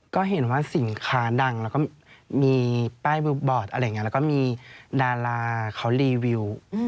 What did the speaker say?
ก็เห็นว่าสินค้าดังแล้วก็มีป้ายวิวบอร์ดอะไรอย่างนี้แล้วก็มีดาราเขารีวิว